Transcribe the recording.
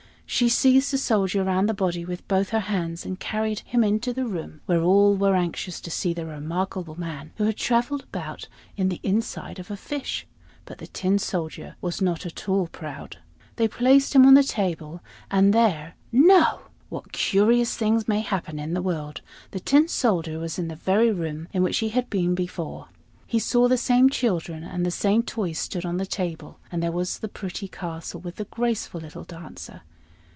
She seized the Soldier round the body with both her hands and carried him into the room, where all were anxious to see the remarkable man who had traveled about in the inside of a fish; but the Tin Soldier was not at all proud. They placed him on the table, and there no! What curious things may happen in the world. The Tin Soldier was in the very room in which he had been before! he saw the same children, and the same toys stood on the table; and there was the pretty castle with the graceful little Dancer.